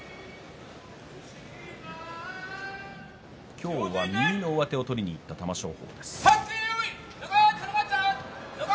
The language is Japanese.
今日は右の上手を取りにいった玉正鳳です。